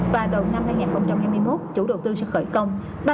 và đầu năm hai nghìn hai mươi một chủ đầu tư sẽ giải phóng một tám trăm một mươi hectare